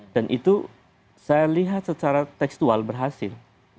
dan itu saya lihat secara tekstual berhasil